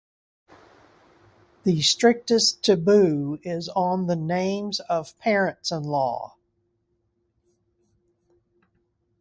The strictest taboo is on the names of parents-in-law.